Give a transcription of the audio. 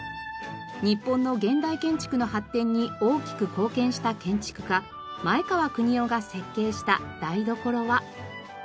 日本の現代建築の発展に大きく貢献した建築家前川國男が設計した台所は。